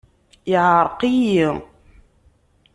Yeɛreq-iyi.